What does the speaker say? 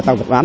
tăng vật ván